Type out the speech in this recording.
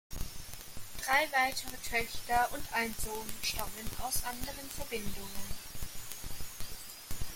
Drei weitere Töchter und ein Sohn stammen aus anderen Verbindungen.